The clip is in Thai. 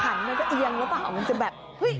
ขันมันก็เอียงแล้วเปล่า